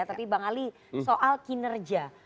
tapi bang ali soal kinerja